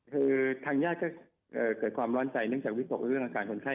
คือทางญาติก็เกิดความร้อนใจเนื่องจากวิตกเรื่องอาการคนไข้